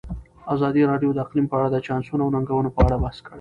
ازادي راډیو د اقلیم په اړه د چانسونو او ننګونو په اړه بحث کړی.